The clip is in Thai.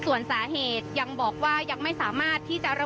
ส่วนสาเหตุยังบอกว่ายังไม่สามารถที่จะระบุ